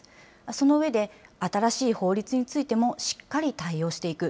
その上で、新しい法律についてもしっかり対応していく。